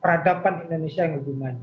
peradaban indonesia yang lebih maju